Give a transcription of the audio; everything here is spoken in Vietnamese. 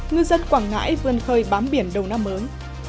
ngư dân quảng ngãi vươn khơi bám biển đầu năm mới